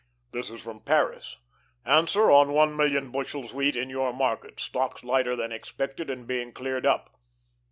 "This is from Paris: "'Answer on one million bushels wheat in your market stocks lighter than expected, and being cleared up.'"